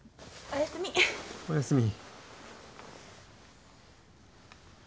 おやすみ。